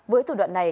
với thủ đoạn này